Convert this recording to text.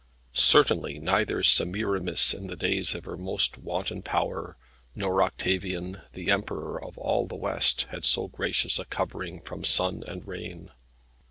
Certainly neither Semiramis in the days of her most wanton power, nor Octavian, the Emperor of all the West, had so gracious a covering from sun and rain.